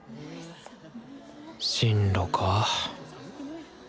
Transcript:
進路か。